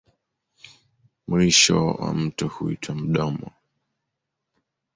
Mwisho wa mto huitwa mdomo.